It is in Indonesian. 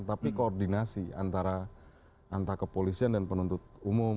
tapi koordinasi antara kepolisian dan penuntut umum